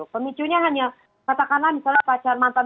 pemicunya hanya katakanlah misalnya pacar mantan